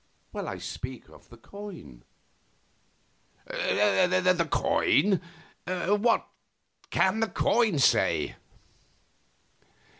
I speak of the coin." "The coin? What can the coin say?"